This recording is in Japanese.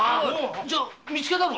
じゃ見つけたのか？